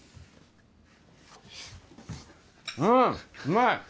うんうまい！